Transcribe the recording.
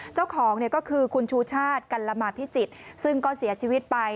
เจ้าของเนี่ยก็คือคุณชูชาติกัลละมาพิจิตรซึ่งก็เสียชีวิตไป